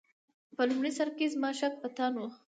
په لومړي سر کې زما شک بتان و.